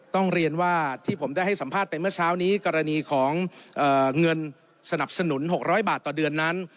ต้องเรียนว่าที่ผมได้ให้สัมภาษณ์ไปเมื่อเช้านี้กรณีของเงินสนับสนุน๖๐๐บาทต่อเดือนนั้น